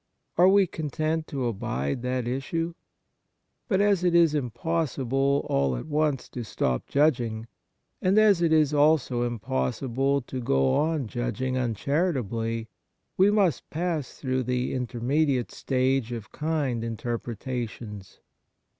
Are we content to abide that issue ? But, as it is impossible all at once to stop judging, and as it is also impossible to go on judging uncharitably, we must pass through the intermediate stage of kind interpreta *tions.